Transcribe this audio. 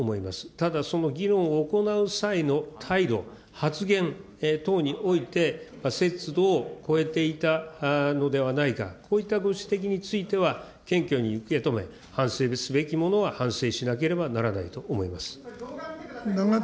ただその議論を行う際の態度、発言等において、節度を越えていたのではないか、こういったご指摘については、謙虚に受け止め、反省すべきものは反省しなければならないと思います。